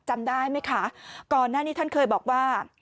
จำได้ไหมคะก่อนหน้านี้ท่านเคยบอกว่า